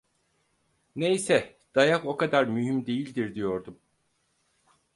Neyse… Dayak o kadar mühim değildir, diyordum.